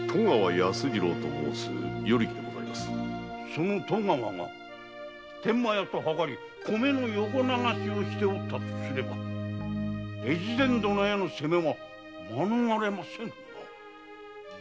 その戸川が天満屋と謀り米の横流しをしていたとすれば越前殿への責めは免れませぬ。